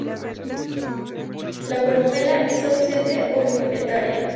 La columela es ausente o rudimentaria.